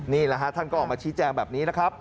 นี่แหละฮะท่านก็ออกมาชี้แจงแบบนี้นะครับ